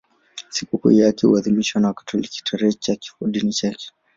Sikukuu yake huadhimishwa na Wakatoliki tarehe ya kifodini chake.